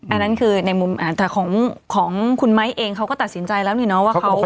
อันนั้นคือในมุมแต่ของคุณไม้เองเขาก็ตัดสินใจแล้วนี่เนาะว่าเขา